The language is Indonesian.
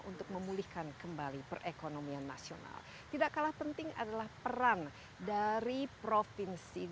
untuk memulihkan kembali perekonomian nasional tidak kalah penting adalah peran dari provinsi